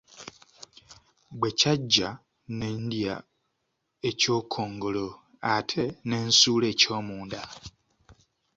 Bwe kyaggya, ne ndya eky’okungulu ate ne nsuula eky’omunda.